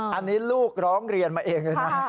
อันนี้ลูกร้องเรียนมาเองเลยนะ